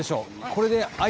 これで。